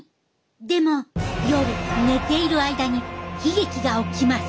でも夜寝ている間に悲劇が起きます。